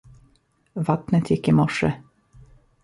Vattnet gick i morse.